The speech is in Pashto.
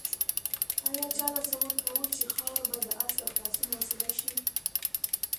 آیا چا تصور کاوه چې خاوره به د آس د خلاصون وسیله شي؟